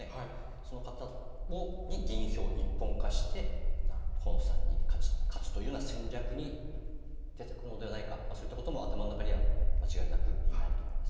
その方に議員票を一本化して、河野さんに勝つというような戦略に出てくるのではないか、そういったことも頭の中には間違いなく今、あると思います。